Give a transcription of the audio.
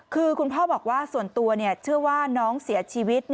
คือคุณพ่อบอกว่าส่วนตัวเชื่อว่าน้องเสียชีวิต